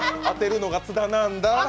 当てるのが津田なんだ。